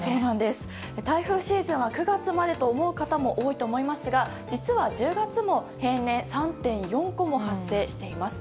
台風シーズンは９月までと思う方が多いと思いますが実は１０月も平年、３から４個も発生しています。